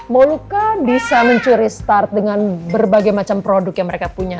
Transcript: moluka bisa mencuri start dengan berbagai macam produk yang mereka punya